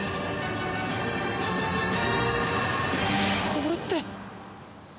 これって。